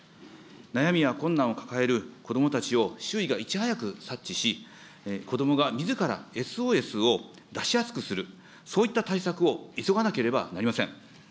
悩みや困難を抱える子どもたちを周囲がいち早く察知し、子どもがみずからＳＯＳを出しやすくする、そういった対策を急がなければなりません。